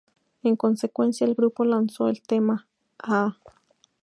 En consecuencia, el grupo lanzó el tema, "¡Ah!